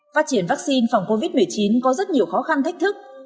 phát triển vắc xin phòng covid một mươi chín có rất nhiều khó khăn thách thức